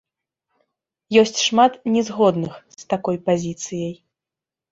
Ёсць шмат не згодных з такой пазіцыяй.